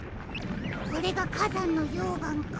これがかざんのようがんか。